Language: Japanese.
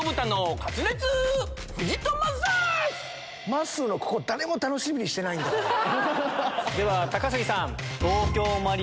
まっすーのここ誰も楽しみにしてないんだから。